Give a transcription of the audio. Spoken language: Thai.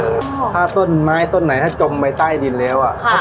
้ยถ้าต้นไม้ต้นไหนถ้าจมไว้ใต้ดินแล้วอะครับ